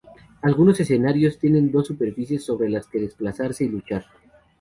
Algunos escenarios tienen dos superficies sobre las que desplazarse y luchar.